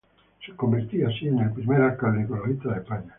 Se convertía así en el primer alcalde ecologista de España.